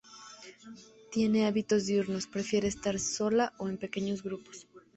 Tiene hábitos diurnos, prefiere estar sola o en pequeños grupos.